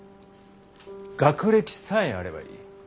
学歴さえあればいい。